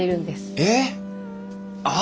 えっ！